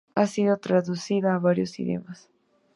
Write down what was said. Ha sido traducida a varios idiomas.